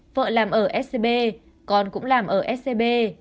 vợ làm ở scb con cũng làm ở scb